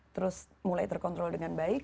terus mulai terkontrol dengan baik